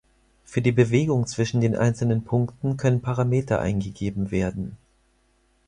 Für die Bewegung zwischen den einzelnen Punkten können Parameter eingegeben werden.